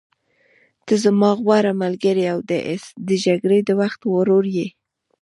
ته زما غوره ملګری او د جګړې د وخت ورور یې.